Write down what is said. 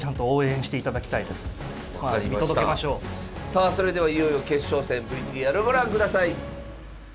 さあそれではいよいよ決勝戦ＶＴＲをご覧ください。